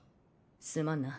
すまんな